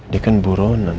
dia kan buronan